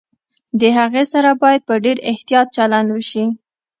د هغې سره باید په ډېر احتياط چلند وشي